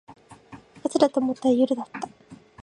朝だと思ったら夜だった